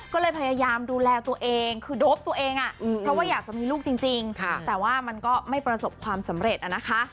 ก็เลยพยายามดูแลตัวเองคือโดปตัวเองเพราะว่าอยากจะมีลูกจริงแต่ว่ามันก็ไม่ประสบความสำเร็จนะคะ